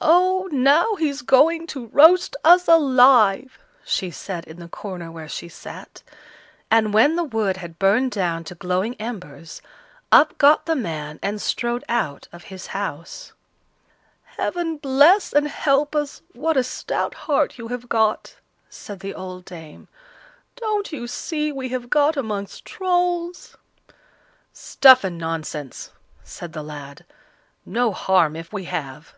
"Oh! now he's going to roast us alive," she said, in the corner where she sat. And when the wood had burned down to glowing embers, up got the man and strode out of his house. "Heaven bless and help us! what a stout heart you have got!" said the old dame. "Don't you see we have got amongst Trolls?" "Stuff and nonsense!" said the lad; "no harm if we have."